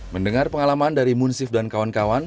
mendengar pengalaman dari munsif dan kawan kawan